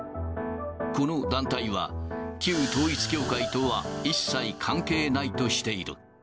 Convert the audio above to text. この団体は、旧統一教会とは一切関係ないとしている。